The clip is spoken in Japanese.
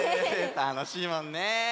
たのしいもんね！